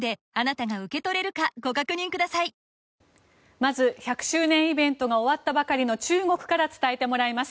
まず、１００周年イベントが終わったばかりの中国から伝えてもらいます。